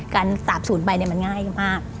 การสับสุนไปมันง่ายมาก